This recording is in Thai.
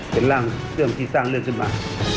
เป็นร่างเรื่องที่สร้างเรื่องขึ้นมา